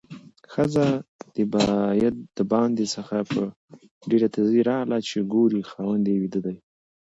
ښځه د باندې څخه په ډېره تیزۍ راغله چې ګوري خاوند یې ويده ده؛